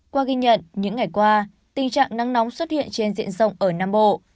qua ghi nhận những ngày qua tình trạng nắng nóng xuất hiện trên diện rộng ở nam bộ